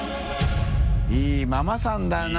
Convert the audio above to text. いママさんだな。